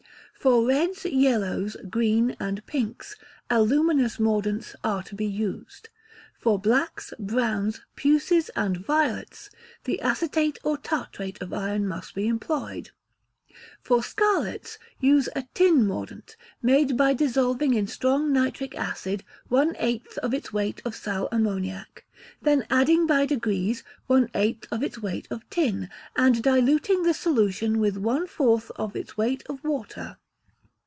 For reds, yellows, green, and pinks, aluminous mordants are to be used. For blacks, browns, puces, and violets, the acetate or tartrate of iron must be employed. For scarlets, use a tin mordant, made by dissolving in strong nitric acid one eighth of its weight of sal ammoniac, then adding by degrees one eighth of its weight of tin, and diluting the solution with one fourth of its weight of water.